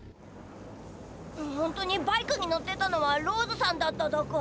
本当にバイクに乗ってたのはローズさんだっただか？